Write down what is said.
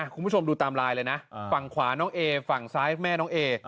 คุณผู้ชมดูตามไลน์เลยนะฝั่งขวาน้องเอฝั่งซ้ายแม่น้องเอ